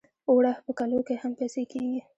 اوړه په کلو کې هم پېسې کېږي